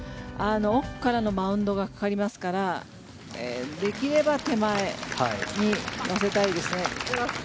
奥からのマウンドがかかりますからできれば手前に乗せたいですね。